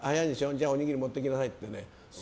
じゃあおにぎり持っていきなさいって。